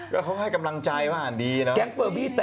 ก็เขาให้กำลังใจมากดีนะแกงเปื้อบิแตกหรอเจอ